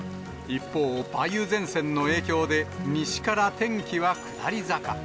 一方、梅雨前線の影響で、西から天気は下り坂。